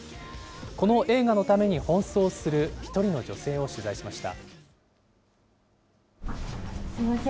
この映画のために奔走する１人の女性を取材しました。